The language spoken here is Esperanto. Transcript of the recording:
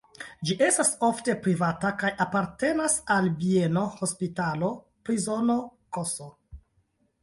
Ĝi estas ofte privata kaj apartenas al bieno, hospitalo, prizono ks.